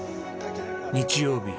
日曜日